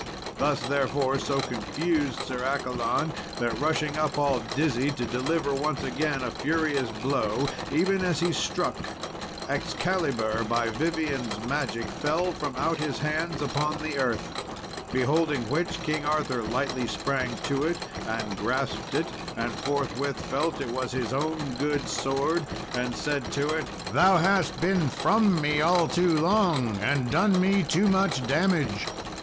This, therefore, so confused Sir Accolon, that rushing up, all dizzy, to deliver once again a furious blow, even as he struck, Excalibur, by Vivien's magic, fell from out his hands upon the earth. Beholding which, King Arthur lightly sprang to it, and grasped it, and forthwith felt it was his own good sword, and said to it, "Thou hast been from me all too long, and done me too much damage."